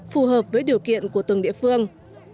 phù hợp với điều kiện của từng địa phương